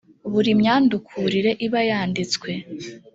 buri myandukurire iba yanditswe